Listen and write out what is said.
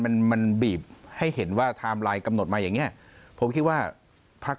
มันมันบีบให้เห็นว่าทำลายกำหนดมาอย่างนี้ผมคิดว่าพรรค